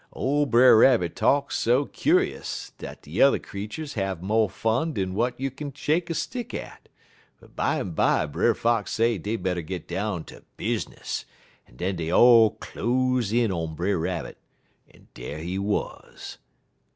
"Ole Brer Rabbit talk so kuse dat de yuther creeturs have mo' fun dan w'at you k'n shake a stick at, but bimeby Brer Fox say dey better git down ter business, en den dey all cloze in on Brer Rabbit, en dar he wuz.